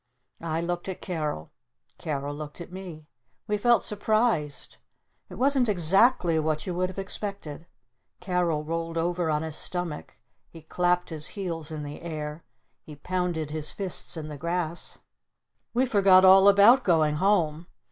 I looked at Carol. Carol looked at me. We felt surprised. It wasn't exactly what you would have expected. Carol rolled over on his stomach. He clapped his heels in the air. He pounded his fists in the grass. We forgot all about going home.